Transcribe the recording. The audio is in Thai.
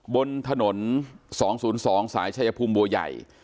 บนถนน๒๐๒สายชายภูมิบัวใหญ่